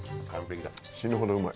死ぬほどうまい。